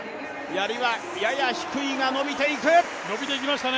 やりはやや低いが伸びていく。